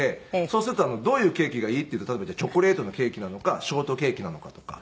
そうするとどういうケーキがいいっていうと例えばじゃあチョコレートのケーキなのかショートケーキなのかとか。